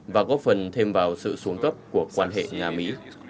và góp phần thêm vào sự xuống cấp của quan hệ nga mỹ